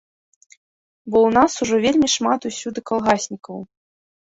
Бо ў нас ужо вельмі шмат усюды калгаснікаў.